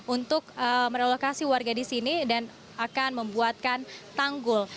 untuk merelokasi warga di sini dan akan membuatkan tanggul